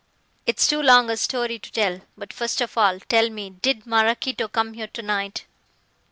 "It's too long a story to tell. But, first of all, tell me did Maraquito come here to night?"